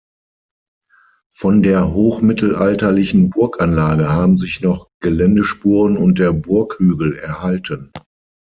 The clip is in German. Von der hochmittelalterlichen Burganlage haben sich noch Geländespuren und der Burghügel erhalten.